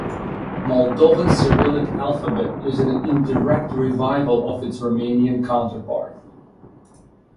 Moldovan Cyrillic alphabet is an "indirect" revival of its Romanian counterpart.